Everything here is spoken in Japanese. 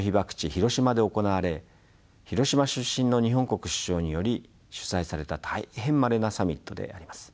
広島で行われ広島出身の日本国首相により主催された大変まれなサミットであります。